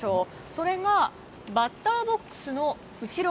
それが、バッターボックスの後ろ